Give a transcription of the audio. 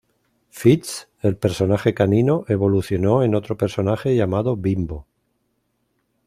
Fitz, el personaje canino, evolucionó en otro personaje llamado Bimbo.